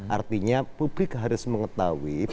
artinya publik harus mengetahui